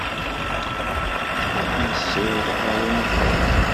Ad ken-ssiwḍeɣ ɣer unafag.